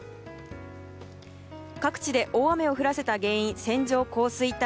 各地で大雨を降らせた原因線状降水帯。